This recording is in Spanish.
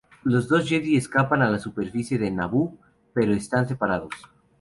Los dos Jedi escapan a la superficie de Naboo, pero están separados.